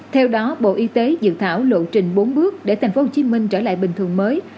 theo đó bộ y tế dự thảo lộ trình bốn bước để tp hcm trở lại bình thường mới